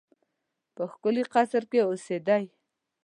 په ښکلي قصر کې اوسېدی.